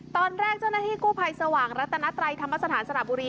เจ้าหน้าที่กู้ภัยสว่างรัตนัตรัยธรรมสถานสระบุรี